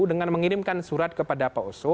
dengan mengirimkan surat kepada pak oso